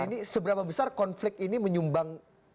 dan ini seberapa besar konflik ini menyumbang